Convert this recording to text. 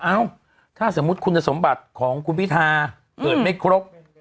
เอ้าถ้าสมมุติคุณสมบัติของคุณพิธาเกิดไม่ครบ